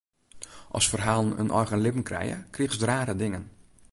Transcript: As ferhalen in eigen libben krije, krigest rare dingen.